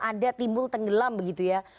ada timbul tenggelam begitu ya